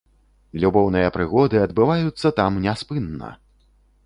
Любоўныя прыгоды адбываюцца там няспынна!